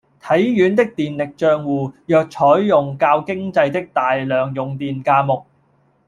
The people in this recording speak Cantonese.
體院的電力帳戶若採用較經濟的大量用電價目